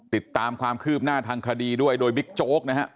ติดตามความคืบหน้าทางคดีด้วยโดยบิ๊กโจ๊กนะฮะ